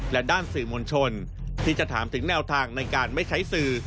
และด้านสื่อมวลชนที่จะถามถึงแนวทางในการไม่ใช้สื่อ